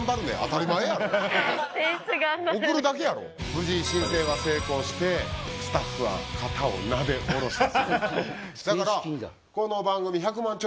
無事申請は成功してスタッフは肩をなで下ろしたそうです。